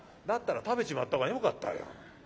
だったら食べちまった方がよかったよ。